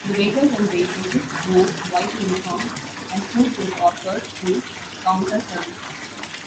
The waiters and waitresses wore white uniforms, and food was offered through counter service.